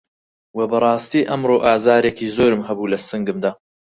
وە بەڕاستی ئەمڕۆ ئازارێکی زۆرم هەبوو لە سنگمدا